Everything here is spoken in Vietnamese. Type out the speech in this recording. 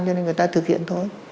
cho nên người ta thực hiện thôi